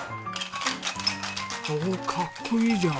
おおかっこいいじゃん。